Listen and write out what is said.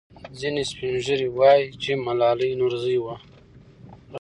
ځینې سپین ږیري وایي چې ملالۍ نورزۍ وه.